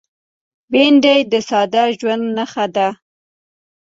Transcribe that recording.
بېنډۍ د ساده ژوند نښه ده